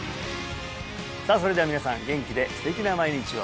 さあそれでは皆さん元気で素敵な毎日を！